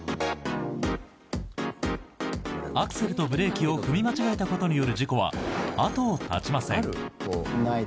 アクセルとブレーキを踏み間違えたことによる事故は後を絶ちません。